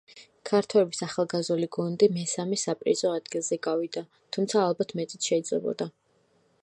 ქართველების ახალგაზრდული გუნდი მესამე საპრიზო ადგილზე გავიდა, თუმცა ალბათ მეტიც შეიძლებოდა.